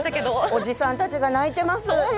おじさんたちが泣いてます。